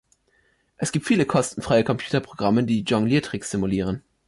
Es gibt viele kostenfreie Computerprogramme, die Jongliertricks simulieren.